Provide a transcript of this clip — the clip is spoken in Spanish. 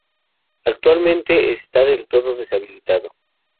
Actualmente está del todo deshabitado.